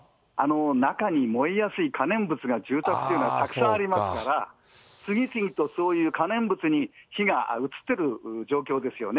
中に燃えやすい可燃物が住宅というのはたくさんありますから、次々とそういう可燃物に火が移ってる状況ですよね。